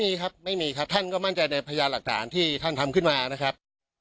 มีครับไม่มีครับท่านก็มั่นใจในพยานหลักฐานที่ท่านทำขึ้นมานะครับ